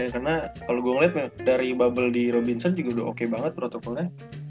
karena kalau gue lihat dari bubble di robinson juga udah oke banget protokolenya